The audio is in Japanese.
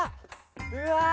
うわ！